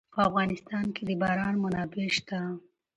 په افغانستان کې د باران منابع شته.